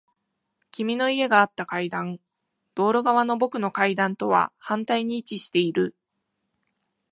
君の家があった階段。道路側の僕の階段とは反対に位置している。